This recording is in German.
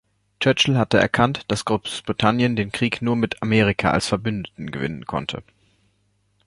Churchill hatte erkannt, dass Großbritannien den Krieg nur mit Amerika als Verbündeten gewinnen konnte.